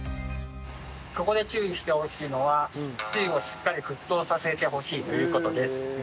ここで注意してほしいのはつゆをしっかり沸騰させてほしいという事です。